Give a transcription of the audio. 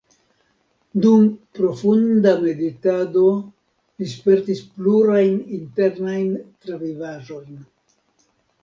Dum profunda meditado li spertis plurajn internajn travivaĵojn.